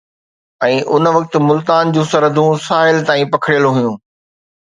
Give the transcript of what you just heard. ۽ ان وقت ملتان جون سرحدون ساحل تائين پکڙيل هيون